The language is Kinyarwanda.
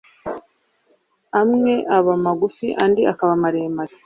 amwe aba magufi andi akaba maremare,